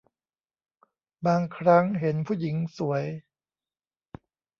บางครั้งเห็นผู้หญิงสวย